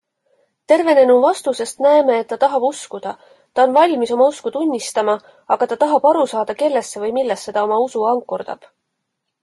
Tervenenu vastusest näeme, et ta tahab uskuda, ta on valmis oma usku tunnistama, aga ta tahab aru saada, kellesse või millesse ta oma usu ankurdab.